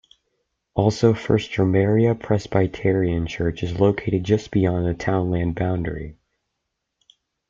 Also First Dromara Presbyterian Church is located just beyond the townland boundary.